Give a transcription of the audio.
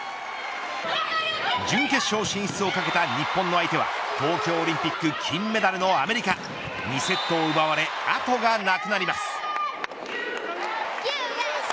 準決勝進出をかけた日本の相手は東京オリンピック金メダルのアメリカ２セットを奪われ後がなくなります。